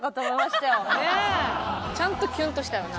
ちゃんとキュンとしたよな。